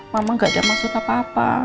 mama gak ada maksud apa apa